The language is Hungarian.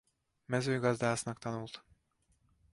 Mezőgazdásznak tanult.